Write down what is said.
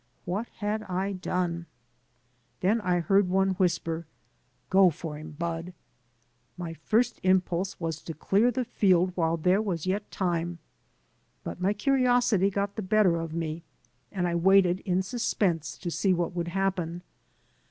What had I done? Then I heard one whisper, "Go for him. Bud.'* My first impulse was to clear the field while there was yet time. But my curiosity got the better of me, and I waited in suspense to see what would happen.